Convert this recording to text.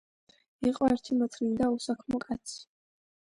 იყო ერთი მოცლილი და უსაქმო კაცი.